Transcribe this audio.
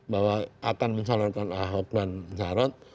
bahwa akan mencalonkan aup dan mencarot